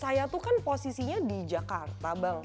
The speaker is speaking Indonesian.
saya tuh kan posisinya di jakarta bang